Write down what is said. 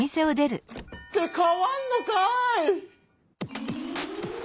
ってかわんのかい！